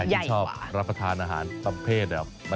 ใครยังชอบรับประทานอาหารลำเภทแหละครับ